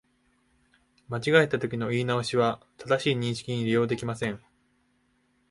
間違えたときの言い直しは、正しい認識に利用できません